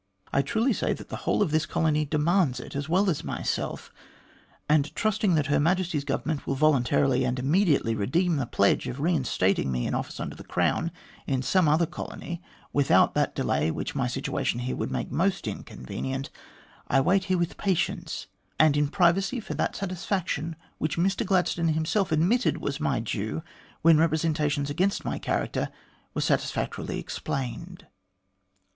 I truly say that the whole of this colony demands it as well as myself, and trusting that Her Majesty's Government will voluntarily and immediately redeem the pledge of reinstating me in office under the Crown in some other colony without that delay which my situation here would make most inconvenient, I wait here with patience and in privacy for that satisfaction which Mr Gladstone himself admitted was my due when the representations against my character were satisfactorily ex plained."